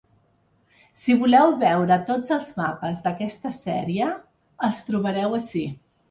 Si voleu veure tots els mapes d’aquesta sèrie els trobareu ací.